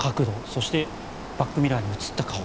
そしてバックミラーに映った顔